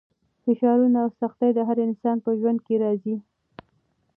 فشارونه او سختۍ د هر انسان په ژوند کې راځي.